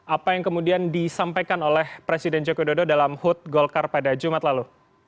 apa yang kemudian disampaikan oleh presiden joko dodo dalam hud golkar pada jumat lalu